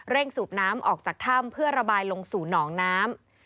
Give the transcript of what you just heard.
สูบน้ำออกจากถ้ำเพื่อระบายลงสู่หนองน้ำ